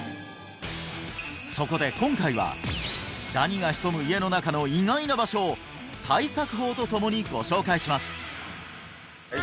そこで今回はダニが潜む家の中の意外な場所を対策法と共にご紹介します！